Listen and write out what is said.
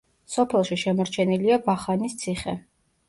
სოფელში შემორჩენილია ვახანის ციხე.